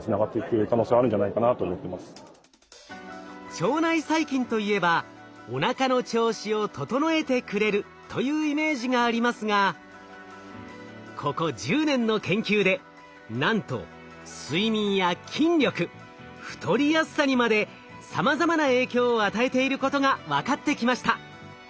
腸内細菌といえばおなかの調子を整えてくれるというイメージがありますがここ１０年の研究でなんと睡眠や筋力太りやすさにまでさまざまな影響を与えていることが分かってきました。